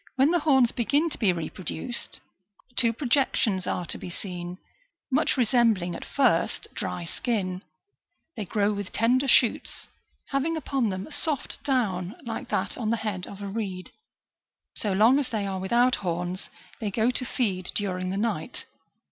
Y/hen the horns begin to be reproduced, two projections are to be seen, much resembling, at first, dry skin ; they grow with tender shoots, having upon them a soft down like that on the head of a reed. So long as they are without horns, they go to feed during the night.